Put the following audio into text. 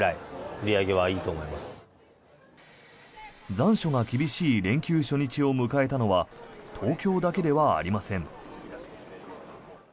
残暑が厳しい連休初日を迎えたのは東京だけではありません。